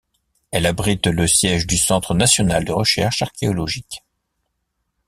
Elle abrite le siège du Centre national de recherche archéologique.